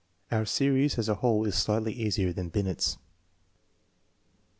Our series as a whole is slightly easier than Binet's.